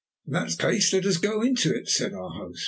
"In that case let us go in to it," said our host.